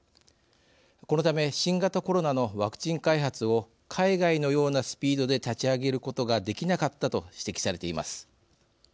このため新型コロナのワクチン開発を海外のようなスピードで立ち上げることができなかったと指摘されています。